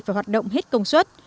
phải hoạt động hết công suất